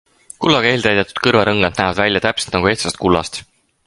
Kullaga eeltäidetud kõrvarõngad näevad välja täpselt nagu ehtsast kullast.